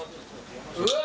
うわ。